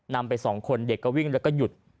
นำไป๒คนเด็กก็วิ่งแล้วก็หยุด